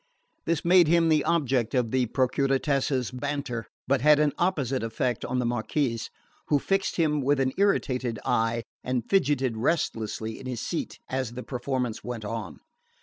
This made him the object of the Procuratessa's banter, but had an opposite effect on the Marquess, who fixed him with an irritated eye and fidgeted restlessly in his seat as the performance went on.